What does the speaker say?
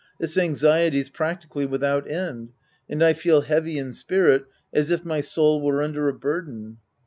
This anxiety's practically without end, and I feel heavy in spirit as if my soul were under a burden.